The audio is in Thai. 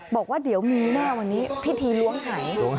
บอกว่าเดี๋ยวมีแน่วันนี้พิธีล้วงหาย